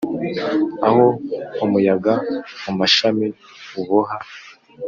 aho umuyaga mumashami uboha